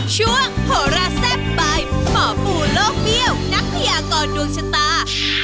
โหราแซ่บใบหมอปู่โลกเบี้ยวนักพยากรดวงชะตา